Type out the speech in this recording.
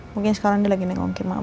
tapi sekarang dia lagi nengokin mama